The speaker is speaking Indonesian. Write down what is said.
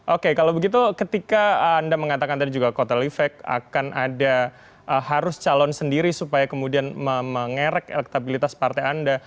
oke kalau begitu ketika anda mengatakan tadi juga kotel efek akan ada harus calon sendiri supaya kemudian mengerek elektabilitas partai anda